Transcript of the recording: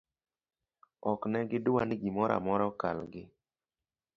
oknegidwa ni gimoramora okalgi